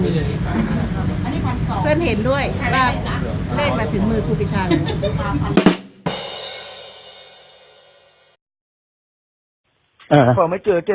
ว่าเลขมาถึงมือครูพิชา